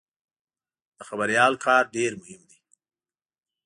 د خبریال کار ډېر مهم دی.